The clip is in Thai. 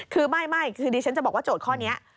คือไม่คือดิฉันจะบอกว่าโจทย์ข้อนี้